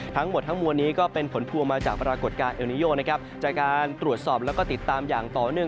ทั้งหมดทั้งมวลนี้ก็เป็นผลพวงมาจากปรากฏการณ์เอลนิโยนะครับจากการตรวจสอบแล้วก็ติดตามอย่างต่อเนื่อง